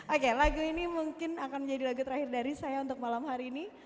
oke lagu ini mungkin akan menjadi lagu terakhir dari saya untuk malam hari ini